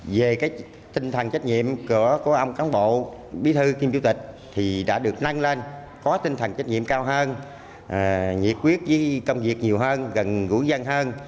về cái tinh thần trách nhiệm của ông cán bộ bí thư kiêm chủ tịch thì đã được nâng lên có tinh thần trách nhiệm cao hơn nhiệt quyết với công việc nhiều hơn gần gũ dân hơn